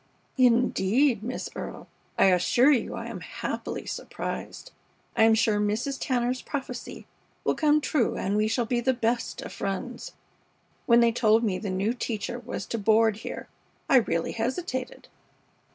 "Indeed, Miss Earle, I assure you I am happily surprised. I am sure Mrs. Tanner's prophecy will come true and we shall be the best of friends. When they told me the new teacher was to board here I really hesitated.